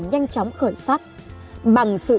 nhanh chóng khởi sắc bằng sự